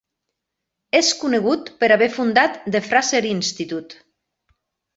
És conegut per haver fundat The Fraser Institute.